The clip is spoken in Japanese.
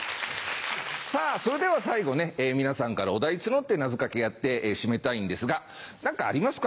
さぁそれでは最後ね皆さんからお題募って謎掛けやって締めたいんですが何かありますか？